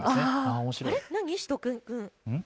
何、しゅと犬くん？